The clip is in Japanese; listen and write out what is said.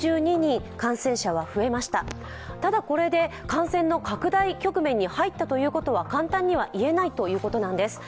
感染の拡大局面に入ったということは簡単には言えないということなんです。